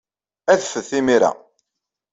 Adfet imir-a.